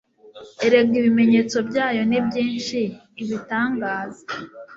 erega ibimenyetso byayo ni byinshi ibitangaza